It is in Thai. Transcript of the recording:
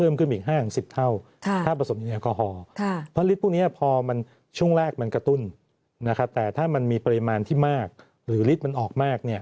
มันก็จะกลายเป็นการกด